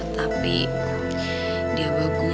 tapi di abah gue